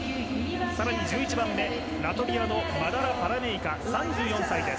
更に１１番目ラトビアのマダラ・パラメイカ３４歳です。